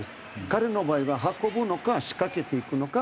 彼の場合は運ぶのか仕掛けていくのか